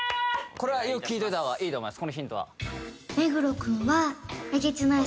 これはよく聞いといた方がいいと思います